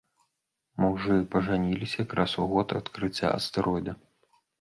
Мужы пажаніліся якраз у год адкрыцця астэроіда.